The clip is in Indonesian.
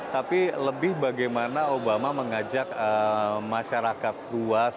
tapi lebih bagaimana obama mengajak masyarakat luas